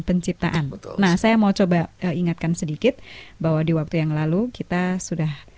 kota sion yang terindah